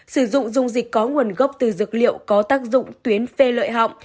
sử dụng dung dịch có nguồn gốc từ dược liệu có tác dụng tuyến phê lợi họng